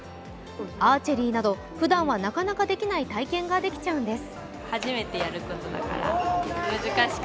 アーチェリーなどふだんはなかなかできない体験ができちゃうんです。